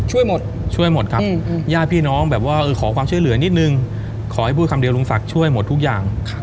ช่วยหมดช่วยหมดครับญาติพี่น้องแบบว่าขอความช่วยเหลือนิดนึงขอให้พูดคำเดียวลุงศักดิ์ช่วยหมดทุกอย่าง